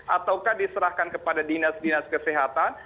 ataukah diserahkan kepada dinas dinas kesehatan